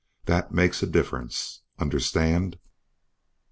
That makes a difference. Understand!"